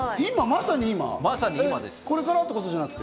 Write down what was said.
これからってことじゃなくて？